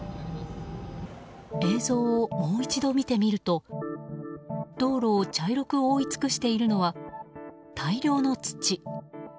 映像をもう一度見てみると道路を茶色く覆い尽くしているのは、大量の土。